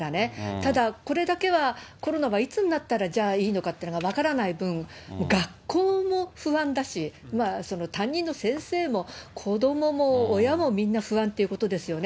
ただ、これだけはコロナはいつになったら、じゃあいいのかって分からない分、学校も不安だし、担任の先生も子どもも親もみんな不安ということですよね。